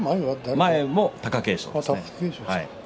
前も貴景勝です。